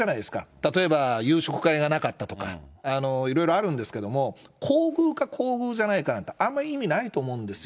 例えば、夕食会がなかったとか、いろいろあるんですけれども、厚遇か厚遇じゃないかなんてあんまり意味ないと思うんですよ。